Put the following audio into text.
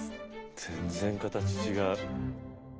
全然形違う。